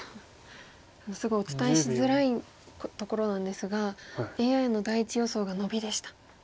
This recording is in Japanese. すごいお伝えしづらいところなんですがＡＩの第１予想がノビでした。